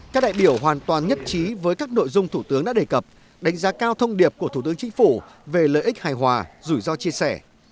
các đại biểu hoàn toàn nhất trí với các nội dung thủ tướng đã đề cập đánh giá cao thông điệp của thủ tướng chính phủ về lợi ích hài hòa rủi ro chia sẻ